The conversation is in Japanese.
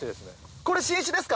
これ新種ですか？